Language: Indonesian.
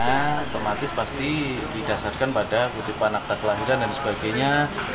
otomatis pasti didasarkan pada kutipan akta kelahiran dan sebagainya